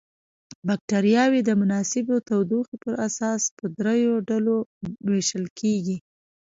بکټریاوې د مناسبې تودوخې پر اساس په دریو ډلو ویشل کیږي.